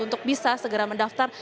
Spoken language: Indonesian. untuk bisa segera mendaftar